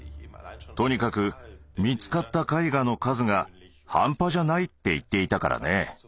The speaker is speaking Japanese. とにかく見つかった絵画の数が半端じゃないって言っていたからね。